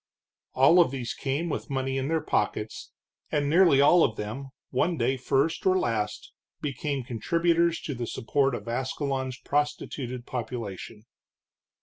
All of these came with money in their pockets, and nearly all of them, one day first or last, became contributors to the support of Ascalon's prostituted population.